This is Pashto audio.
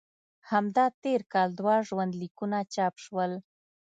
همدا تېر کال دوه ژوند لیکونه چاپ شول.